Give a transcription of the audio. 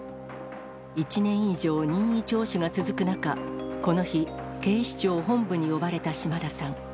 １年以上任意聴取が続く中、この日、警視庁本部に呼ばれた島田さん。